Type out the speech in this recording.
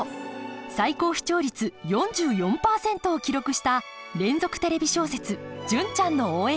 最高視聴率４４％を記録した連続テレビ小説「純ちゃんの応援歌」。